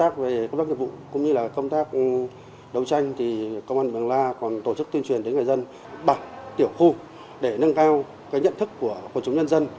cũng như là công tác đấu tranh thì công an huyện mường la còn tổ chức tuyên truyền đến người dân bằng tiểu khu để nâng cao cái nhận thức của chúng nhân dân